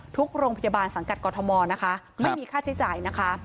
ทุกโรงพยาบาลสังกัดกรทมนะคะไม่มีค่าใช้จ่ายนะคะ